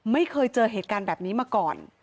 ไม่เคยเจอเหตุการณ์แบบนี้มาก่อน